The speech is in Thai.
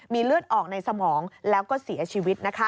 เลือดออกในสมองแล้วก็เสียชีวิต